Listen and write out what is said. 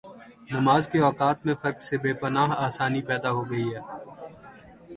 نمازکے اوقات میں فرق سے بے پناہ آسانی پیدا ہوگئی ہے۔